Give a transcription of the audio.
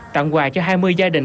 tặng quà cho hai mươi gia đình